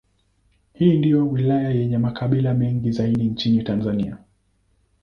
Hii ndiyo wilaya yenye makabila mengi zaidi nchini Tanzania.